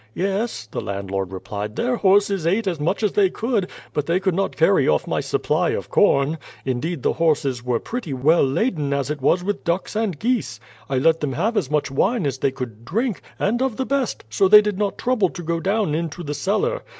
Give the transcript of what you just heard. "Yes," the landlord replied; "their horses ate as much as they could, but they could not carry off my supply of corn. Indeed the horses were pretty well laden as it was with ducks and geese. I let them have as much wine as they could drink, and of the best, so they did not trouble to go down into the cellar.